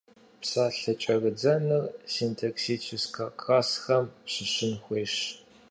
Псалъэ кӏэрыдзэныр синтаксическэ классхэм щыщын хуейщ.